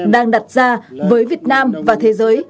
đang đặt ra với việt nam và thế giới